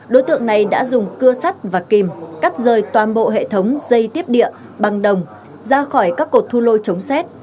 đối tượng này đã dùng cưa sắt và kìm cắt rời toàn bộ hệ thống dây tiếp địa bằng đồng ra khỏi các cột thu lôi chống xét